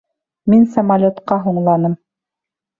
Мин самолетҡа һуңланым.